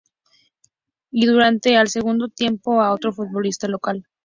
Y, durante el segundo tiempo, a otro futbolista local.